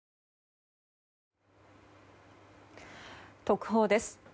特報です。